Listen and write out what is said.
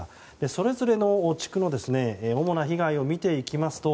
それぞれの地区の主な被害を見ていきますと